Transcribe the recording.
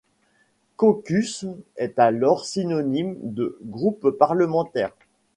Caucus est alors synonyme de groupe parlementaire.